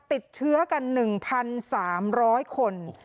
ติดเชื้อกัน๑๓๐๐คน